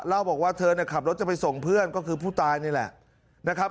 เล่าบอกว่าเธอเนี่ยขับรถจะไปส่งเพื่อนก็คือผู้ตายนี่แหละนะครับ